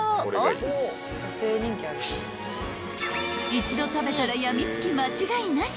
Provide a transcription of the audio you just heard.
［一度食べたら病みつき間違いなし］